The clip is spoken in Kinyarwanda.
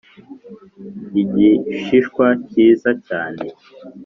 igishishwa cyiza cyane